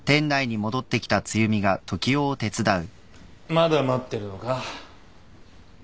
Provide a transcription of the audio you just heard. まだ待ってるのか？